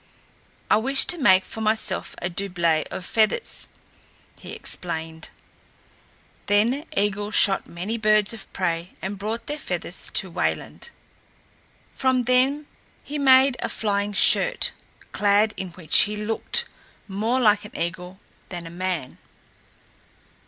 "I wish to make for myself a doublet of feathers," he explained. Then Eigil shot many birds of prey and brought their feathers to Wayland. From them he made a flying shirt, clad in which he looked more like an eagle than a man.